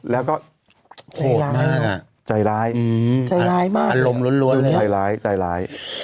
แล้วก็โหดร้ายมากอ่ะใจร้ายใจร้ายมากอารมณ์ล้วนใจร้ายใจร้าย